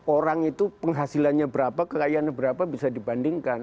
orang itu penghasilannya berapa kekayaannya berapa bisa dibandingkan